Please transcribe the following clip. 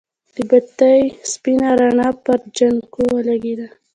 د بتۍ سپينه رڼا پر جانکو ولګېده.